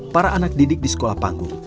para anak didik di sekolah panggung